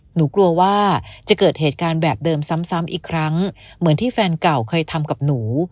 หนูกลัวว่าจะเกิดเหตุการณ์แบบเดิมซ้ำอีกครั้งเหมือนที่แฟนเก่าเคยทำกับหนู